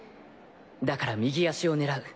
だから右足を狙う。